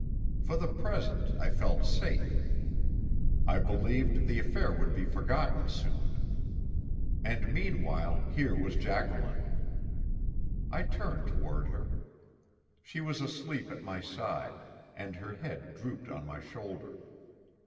For the present I felt safe. I believed the affair would be forgotten soon. And meanwhile here was Jacqueline. I turned toward her. She was asleep at my side, and her head drooped on my shoulder.